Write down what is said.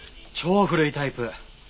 超古いタイプ。